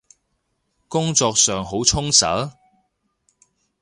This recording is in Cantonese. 工作上好充實？